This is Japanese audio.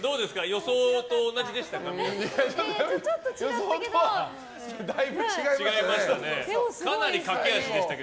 予想と同じでしたか？